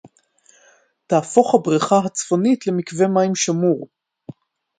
תהפוך הבריכה הצפונית למקווה מים שמור